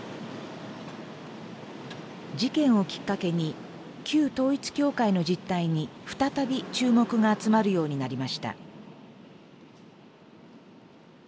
事件をきっかけに旧統一教会の実態に再び注目が集まるようになりました。